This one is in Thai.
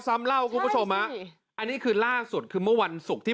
ซ้ำเล่าคุณผู้ชมอ่ะใช่สิอันนี้คือล่าสุดคือเมื่อวันสุขที่